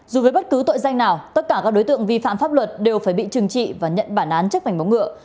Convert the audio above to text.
dù với bất cứ tội danh nào tất cả các đối tượng vi phạm pháp luật đều phải bị trừng trị và nhận bản án chấp hành bóng ngựa